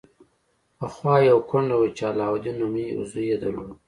پخوا یوه کونډه وه چې علاوالدین نومې یو زوی یې درلود.